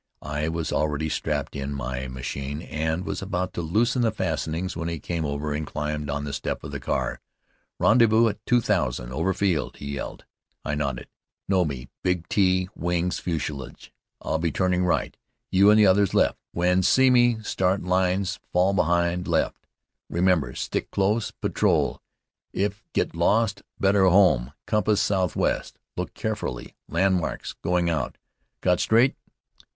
I was already strapped in my machine and was about to loosen the fastenings, when he came over and climbed on the step of the car. "Rendezvous two thousand over field!" he yelled. I nodded. "Know me Big T wings fuselage. I'll turning right. You and others left. When see me start lines, fall in behind left. Remember stick close patrol. If get lost, better home. Compass southwest. Look carefully landmarks going out. Got straight?"